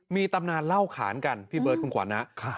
มีตำนานเล่าขานกันพี่เบิร์ดคุณขวานนะ